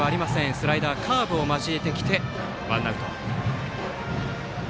スライダー、カーブも交えてワンアウト。